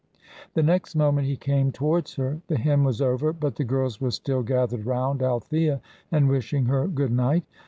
The next moment he came towards her. The hymn was over, but the girls were still gathered round Althea and wishing her good night.